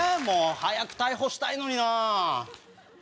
早く逮捕したいのになぁ。